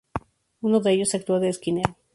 Uno de ellos actúa de esquinero.